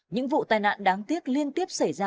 những vụ tai nạn đáng tiếc liên tiếp xảy ra